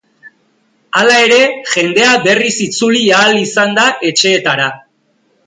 Hala ere, jendea berriz itzuli ahal izan da etxeetara.